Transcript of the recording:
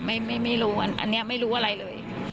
ไม่รู้อันนี้ไม่รู้อะไรเลย